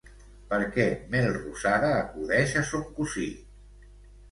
Per què Melrosada acudeix a son cosí?